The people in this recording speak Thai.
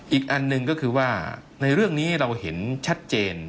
อีกอันหนึ่งก็คือว่าในเรื่องนี้เราเห็นชัดเจน